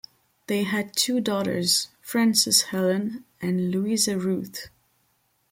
They had two daughters, Frances Helen and Louisa Ruth.